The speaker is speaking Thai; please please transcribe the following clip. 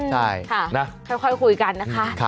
ค่อยคุยกันนะคะ